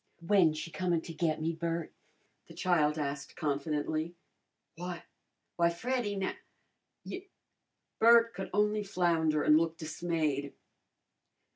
"When she comin' to get me, Bert?" the child asked confidently. "Why why, Freddy now you " Bert could only flounder and look dismayed.